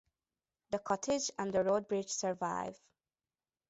The cottage and the road bridge survive.